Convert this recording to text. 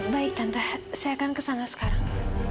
baik tante saya akan ke sana sekarang